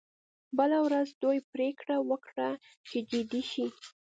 بله ورځ دوی پریکړه وکړه چې جدي شي